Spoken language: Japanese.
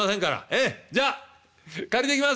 ええじゃあ借りていきます！